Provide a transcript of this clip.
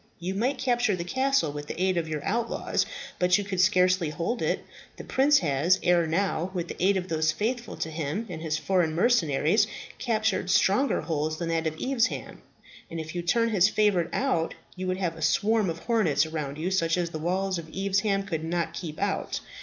"You might capture the castle with the aid of your outlaws; but you could scarcely hold it. The prince has, ere now, with the aid of those faithful to him and his foreign mercenaries, captured stronger holds than that of Evesham; and if you turn his favourite out, you would have a swarm of hornets around you such as the walls of Evesham could not keep out.